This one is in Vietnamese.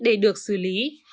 để được xử lý